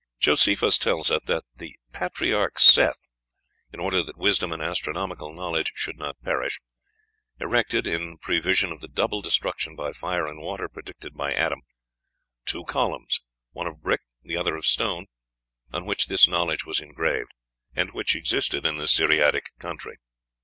Josephus tells us that "The patriarch Seth, in order that wisdom and astronomical knowledge should not perish, erected, in prevision of the double destruction by fire and water predicted by Adam, two columns, one of brick, the other of stone, on which this knowledge was engraved, and which existed in the Siriadic country."